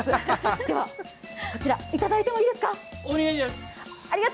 では、こちら、いただいてもいいですか？